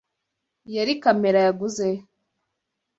Yari kamera yaguzeyo.